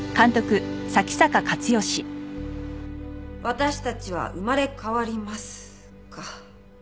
「私たちは生まれ変わります」か。